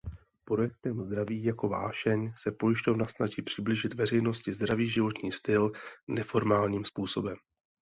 Projektem „Zdraví jako vášeň“ se pojišťovna snaží přiblížit veřejnosti zdravý životní styl neformálním způsobem.